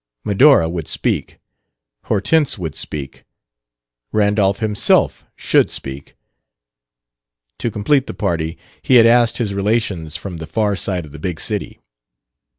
Medora would speak; Hortense would speak; Randolph himself should speak. To complete the party he had asked his relations from the far side of the big city.